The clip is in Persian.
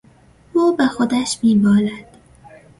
او به خودش میبالد.